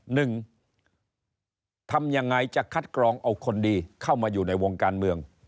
หนึ่งทำยังไงจะคัดกรองเอาคนดีเข้ามาอยู่ในวงการเมือง